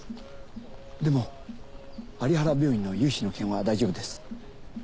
でも有原病院の融資の件は大丈夫です。